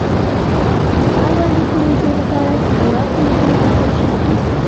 د اړوندې پروژې لپاره سی بي ار قیمتونه ټاکل شوي دي